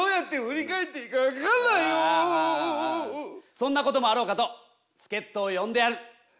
そんなこともあろうかとすけっとを呼んである。